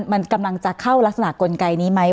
มันกำลังจะเข้ารักษณะกลไกนี้ไหม